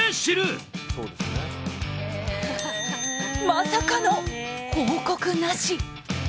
まさかの報告なし。